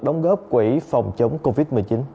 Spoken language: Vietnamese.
đóng góp quỹ phòng chống covid một mươi chín